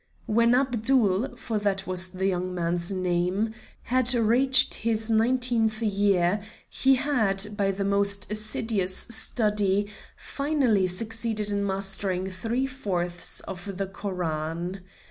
When Abdul, for that was the young man's name, had reached his nineteenth year, he had, by the most assiduous study, finally succeeded in mastering three fourths of the Koran.